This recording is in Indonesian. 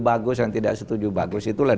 bagus yang tidak setuju bagus itulah